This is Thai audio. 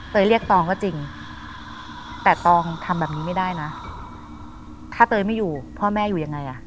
เรียกตองก็จริงแต่ตองทำแบบนี้ไม่ได้นะถ้าเตยไม่อยู่พ่อแม่อยู่ยังไงอ่ะ